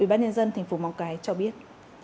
bác nhân dân tp móng cái cho biết